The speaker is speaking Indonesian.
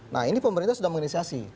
nah ini pemerintah sudah menginisiasi